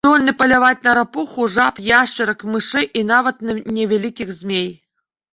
Здольны паляваць на рапух, жаб, яшчарак, мышэй і нават невялікіх змей.